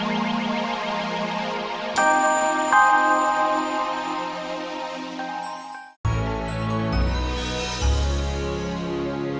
aku sudah selesai